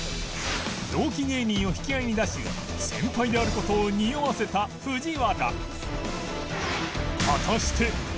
同期芸人を引き合いに出し先輩である事をにおわせた藤原